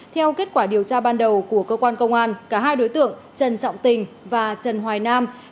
theo kết quả điều tra ban đầu của cơ quan công an cả hai đối tượng trần trọng tình và trần hoài nam